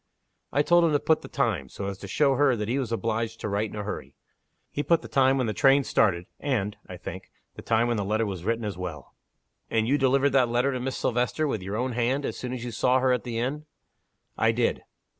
I told him to put the time so as to show her that he was obliged to write in a hurry. He put the time when the train started; and (I think) the time when the letter was written as well." "And you delivered that letter to Miss Silvester, with your own hand, as soon as you saw her at the inn?" "I did."